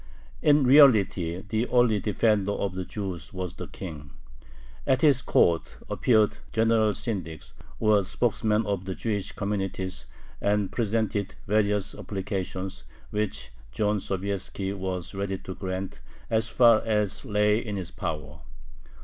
In reality the only defender of the Jews was the King. At his court appeared the "general syndics," or spokesmen of the Jewish communities, and presented various applications, which John Sobieski was ready to grant as far as lay in his power.